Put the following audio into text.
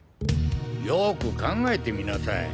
よく考えてみなさい。